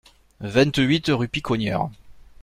vingt-huit rue Piconnières